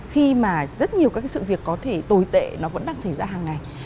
khi mà rất nhiều các cái sự việc có thể tồi tệ nó vẫn đang xảy ra hàng ngày